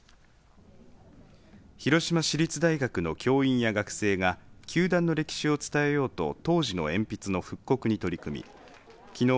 広島市立大学の教員や学生が球団の歴史を伝えようと当時の鉛筆の復刻に取り組みきのう